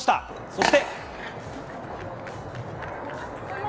そして。